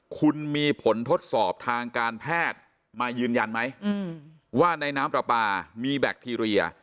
คุณมีผลทดสอบทางการแพทย์มายืนยันไหมว่าในน้ำปลาปลามีแบคทีเรีย